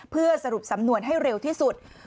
เพื่อสรุปสำนวนให้เร็วที่สุด